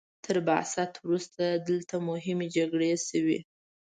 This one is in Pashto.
تر بعثت وروسته دلته مهمې جګړې شوي.